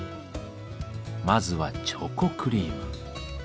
まずはチョコクリーム。